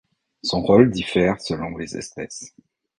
Son rôle diffère selon les espèces.